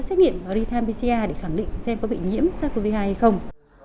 xét nghiệm và đi thăm pcr để khẳng định xem có bị nhiễm sars cov hai hay không